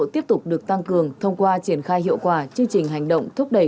tiếp tục được tăng cường thông qua triển khai hiệu quả chương trình hành động thúc đẩy